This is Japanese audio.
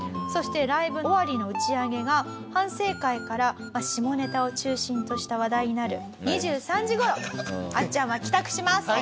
そしてライブ終わりの打ち上げが反省会から下ネタを中心とした話題になる２３時頃あっちゃんは帰宅します。